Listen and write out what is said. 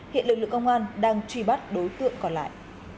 hiện lực lượng công an đang truy bắt đối tượng còn lại